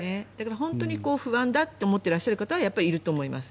本当に不安だって思っていらっしゃる方はいると思います。